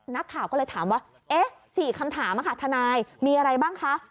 นักข่าวก็เลยถามว่าเอ๊ะ๔คำถามทนายมีอะไรบ้างคะ